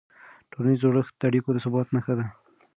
ټولنیز جوړښت د اړیکو د ثبات نښه ده.